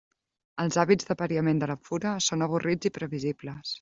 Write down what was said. Els hàbits d'apariament de la fura són avorrits i previsibles.